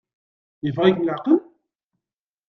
Yeffeɣ-ikem leɛqel?